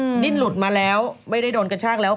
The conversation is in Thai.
ดิ้นหลุดมาแล้วไม่ได้โดนกระชากแล้ว